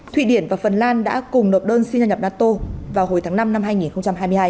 thụy điển và phần lan đã cùng nộp đơn xin gia nhập nato vào hồi tháng năm năm hai nghìn hai mươi hai